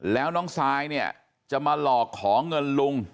แล้วน้องซายเนี่ยจะมาหลอกขอเงินลุง